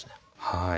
はい。